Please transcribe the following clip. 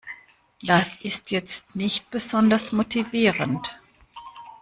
Das ist jetzt nicht besonders motivierend.